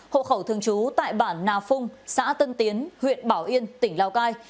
hộ khẩu thường trú tại bản nà phung xã tân tiến huyện bảo yên tỉnh lào cai